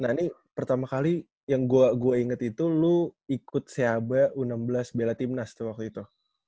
nah ini pertama kali yang gue inget itu lo ikut seaba u enam belas bela timnas tuh waktu itu